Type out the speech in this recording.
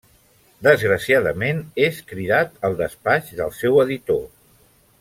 Desgraciadament és cridat al despatx del seu editor.